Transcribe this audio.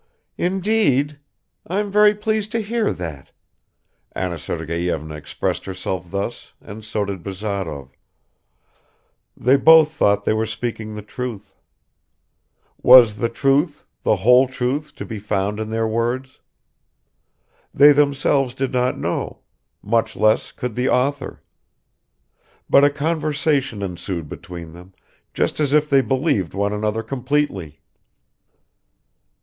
"Indeed? I am very pleased to hear that." Anna Sergeyevna expressed herself thus and so did Bazarov; they both thought they were speaking the truth. Was the truth, the whole truth, to be found in their words? They themselves did not know, much less could the author. But a conversation ensued between them, just as if they believed one another completely.